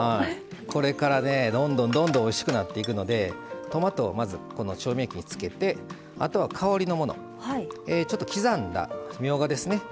これからねどんどんどんどんおいしくなっていくのでトマトをまず調味液につけてあとは香りのもの刻んだみょうがですね。